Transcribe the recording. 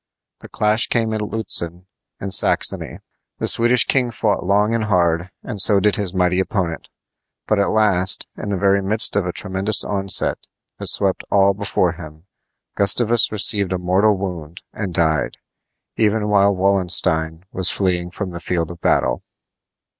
The clash came at Lutzen, in Saxony. The Swedish king fought long and hard, and so did his mighty opponent; but at last, in the very midst of a tremendous onset that swept all before him, Gustavus received a mortal wound and died, even while Wallenstein was fleeing from the field of battle.